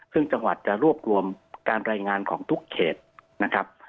ซึ่งจังหวัดจะรวบรวมการรายงานของทุกเขตนะครับ